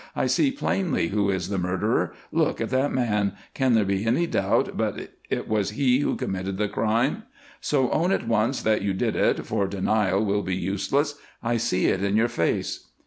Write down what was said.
I see plainly who is the murderer ; look at that man ; can there be any doubt but it was he who committed the crime ? So own at once that you did it, for denial will be useless ; I see it in your face